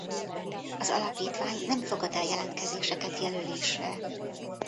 Az alapítvány nem fogad el jelentkezéseket jelölésre.